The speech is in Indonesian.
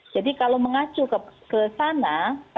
jadi kalau mengacu ke sana